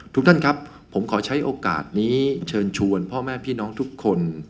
ทุกท่านครับผมขอใช้โอกาสนี้เชิญชวนพ่อแม่พี่น้องทุกคน